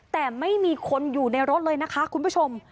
แต่ไม่มีคนอยู่ในรถเลยนะคะคุณผู้ชม